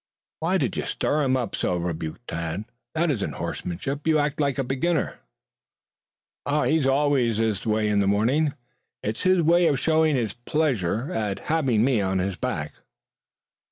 "Why do you stir him up so?" rebuked Tad. "That isn't horsemanship. You act like a beginner." "He always is that way in the morning. It's his way of showing his pleasure at having me on his back.